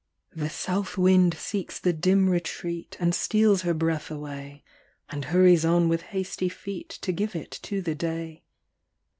The south wind seeks the dim retreat, And steals her breath away, And hurries on with hasty feet To give it to the day.